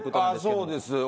ああそうです。